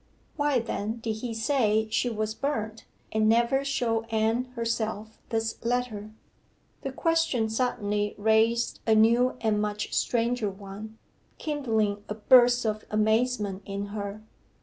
Why, then, did he say she was burnt, and never show Anne herself this letter? The question suddenly raised a new and much stranger one kindling a burst of amazement in her.